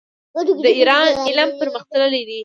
د ایران علم پرمختللی دی.